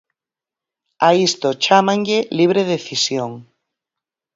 A isto chámanlle libre decisión.